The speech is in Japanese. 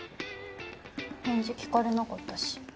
返事聞かれなかったし。